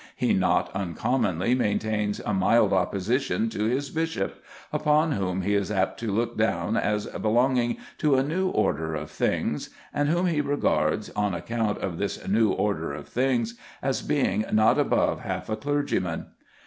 He not uncommonly maintains a mild opposition to his bishop, upon whom he is apt to look down as belonging to a new order of things, and whom he regards, on account of this new order of things, as being not above half a clergyman.